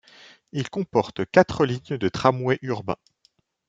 Il comporte quatre lignes de tramway urbain.